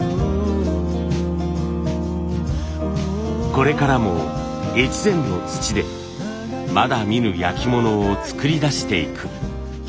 これからも越前の土でまだ見ぬ焼き物を作り出していく。